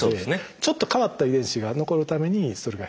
ちょっと変わった遺伝子が残るためにそれが必要。